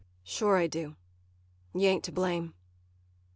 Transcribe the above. ] Sure I do. You ain't to blame.